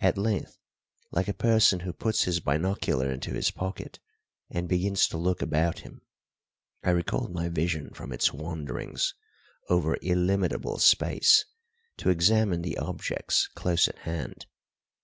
At length, like a person who puts his binocular into his pocket and begins to look about him, I recalled my vision from its wanderings over illimitable space to examine the objects close at hand.